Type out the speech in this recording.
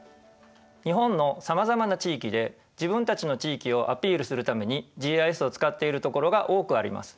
日本のさまざまな地域で自分たちの地域をアピールするためにＧＩＳを使っているところが多くあります。